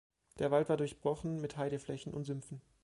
Der Wald war durchbrochen mit Heideflächen und Sümpfen.